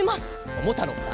ももたろうさん